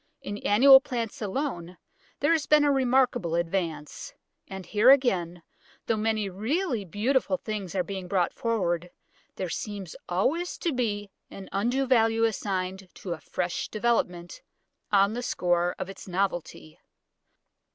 In annual plants alone there has been a remarkable advance. And here again, though many really beautiful things are being brought forward, there seems always to be an undue value assigned to a fresh development, on the score of its novelty.